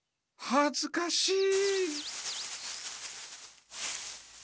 はずかしい！